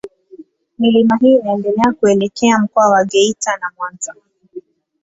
Milima hii inaendelea kuelekea Mkoa wa Geita na Mwanza.